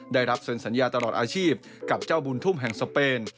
ได้รับเซ็นสัญญาตลอดอาชีพกับเจ้าบุญทุ่มแห่งสเปน